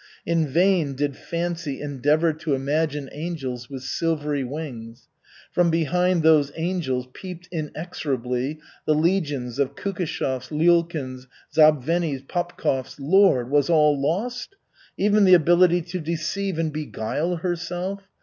In vain did fancy endeavor to imagine angels with silvery wings. From behind those angels peeped inexorably the legions of Kukishevs, Lyulkins, Zabvennys, Popkovs. Lord! Was all lost? Even the ability to deceive and beguile herself?